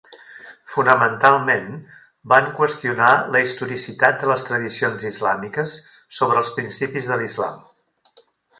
Fonamentalment van qüestionar la historicitat de les tradicions islàmiques sobre els principis de l'Islam.